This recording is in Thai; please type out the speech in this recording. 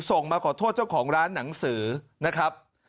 มาขอโทษเจ้าของร้านหนังสือนะครับ